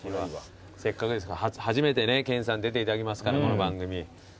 せっかくですから初めて研さんに出ていただきますからこの番組。